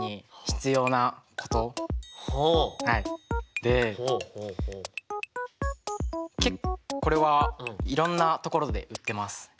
でこれはいろんな所で売ってます。